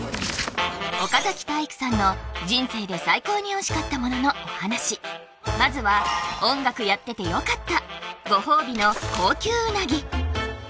岡崎体育さんの人生で最高においしかったもののお話まずは音楽やっててよかった！